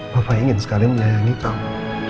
bapak ingin sekali menyayangi kamu